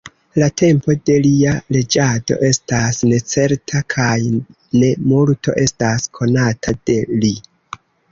La tempo de lia reĝado estas necerta kaj ne multo estas konata de li.